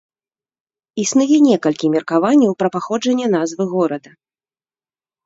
Існуе некалькі меркаванняў пра паходжанне назвы горада.